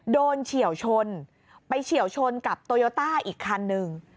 เฉียวชนไปเฉียวชนกับโตโยต้าอีกคันหนึ่ง